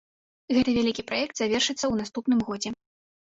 Гэты вялікі праект завершыцца у наступным годзе.